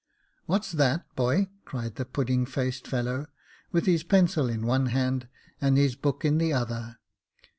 "What's that, boy?" cried the pudding faced fellow, with his pencil in one hand, and his book in the other.